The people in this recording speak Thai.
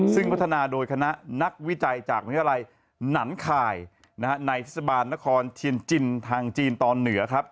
ซึ่งพัฒนาโดยคณะนักวิจัยจากนั้นคลายในทศบาลนครเทียนจินทางจีนตอนเหนือ